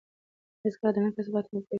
هېڅکله د نن کار سبا ته مه پرېږدئ.